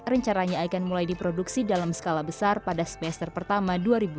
rencananya ikon mulai diproduksi dalam skala besar pada semester pertama dua ribu dua puluh